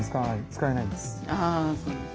使えないんです。